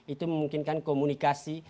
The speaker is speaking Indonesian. itu memungkinkan komunikasi